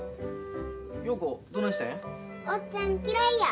陽子どないしたんや？